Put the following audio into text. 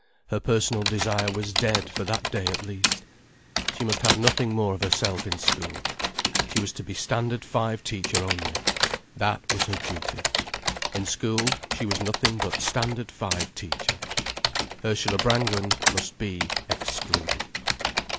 Her personal desire was dead for that day at least. She must have nothing more of herself in school. She was to be Standard Five teacher only. That was her duty. In school, she was nothing but Standard Five teacher. Ursula Brangwen must be excluded.